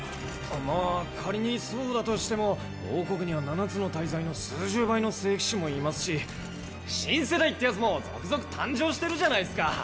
⁉まあ仮にそうだとしても王国には七つの大罪の数十倍の聖騎士もいますし新世代ってやつも続々誕生してるじゃないっすか。